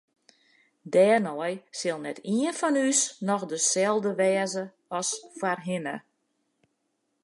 Dêrnei sil net ien fan ús noch deselde wêze as foarhinne.